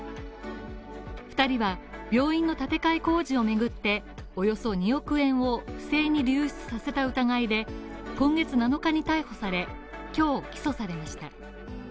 ２人は病院の建て替え工事をめぐって、およそ２億円を不正に流出させた疑いで今月７日に逮捕され、今日起訴されました。